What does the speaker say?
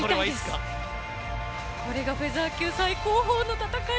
これがフェザー級最高峰の戦い。